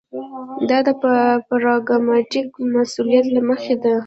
دا د پراګماټیک مصلحت له مخې ده.